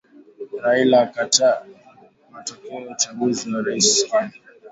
Raila akataa matokeo ya uchaguzi wa rais Kenya